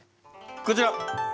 こちら。